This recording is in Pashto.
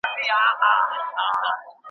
او د آزاد افغانستان د ګوند خپرونه وه.